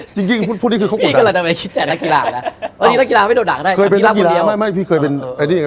จริงพูดนี้คือเขากดดัน